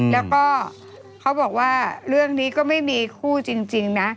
แล้วก็เขาบอกว่าเรื่องนี้ก็ไม่มีคู่จริงนะ